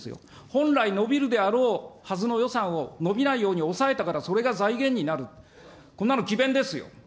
本来伸びるであろうはずの予算を伸びないように抑えたからそれが財源になる、こんなの奇弁ですよ。